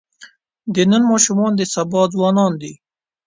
د نن ماشومان د سبا ځوانان دي.